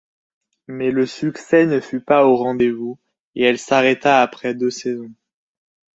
Mais le succès ne fut pas au rendez-vous et elle s'arrêta après deux saisons.